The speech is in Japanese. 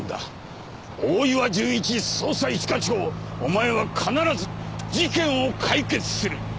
大岩純一捜査一課長お前は必ず事件を解決する！